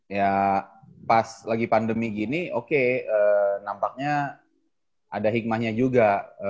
ya pas lagi pandemi gini oke nampaknya ada hikmahnya juga